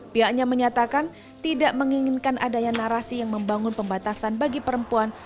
pihaknya menyatakan tidak menginginkan adanya narasi yang membangun pembatasan bagi perempuan